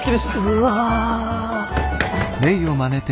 うわ！